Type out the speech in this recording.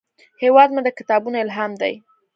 هیواد مې د کتابونو الهام دی